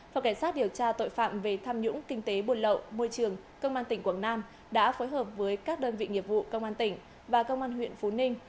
phòng cảnh sát điều tra tội phạm về tham nhũng kinh tế buồn lậu môi trường công an tỉnh quảng nam đã phối hợp với các đơn vị nghiệp vụ công an tỉnh và công an huyện phú ninh